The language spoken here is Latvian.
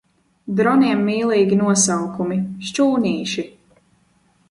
Droniem mīlīgi nosaukumi. Šķūnīši.